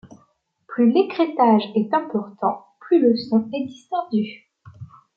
Plus l'écrêtage est important plus le son est distordu.